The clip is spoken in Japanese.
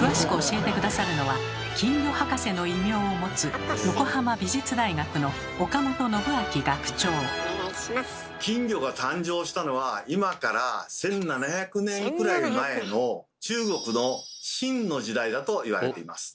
詳しく教えて下さるのは「金魚博士」の異名を持つ金魚が誕生したのは今から１，７００年くらい前の中国の晋の時代だといわれています。